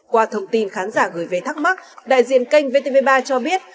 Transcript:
qua thông tin khán giả gửi về thắc mắc đại diện kênh vtv ba cho biết